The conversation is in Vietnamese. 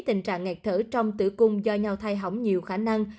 tình trạng ngạc thở trong tử cung do nhau thai hỏng nhiều khả năng